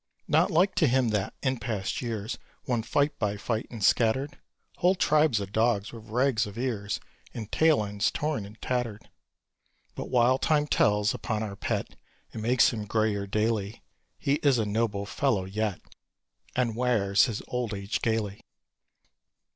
Not like to him that, in past years, Won fight by fight, and scattered Whole tribes of dogs with rags of ears And tail ends torn and tattered. But while time tells upon our pet, And makes him greyer daily, He is a noble fellow yet, And wears his old age gaily.